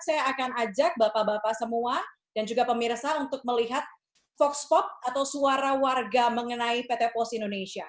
saya akan ajak bapak bapak semua dan juga pemirsa untuk melihat fox pop atau suara warga mengenai pt pos indonesia